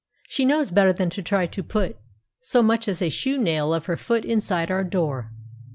She knows better than to try to put so much as a shoenail of her foot inside our door.